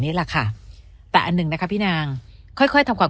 นี่แหละค่ะแต่อันหนึ่งนะคะพี่นางค่อยค่อยทำความ